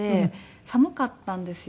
寒かったんですよ